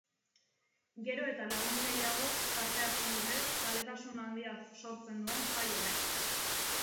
Gero eta lagun gehiagok parte hartzen dute zaletasun handia sortzen duen jai honek.